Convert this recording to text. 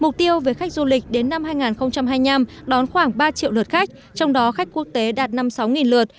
mục tiêu về khách du lịch đến năm hai nghìn hai mươi năm đón khoảng ba triệu lượt khách trong đó khách quốc tế đạt năm mươi sáu lượt